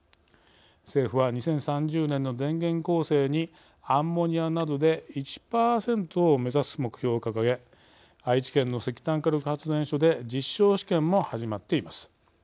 政府は２０３０年の電源構成にアンモニアなどで１％を目指す目標を掲げ愛知県の石炭火力発電所で実証試験も始まっています。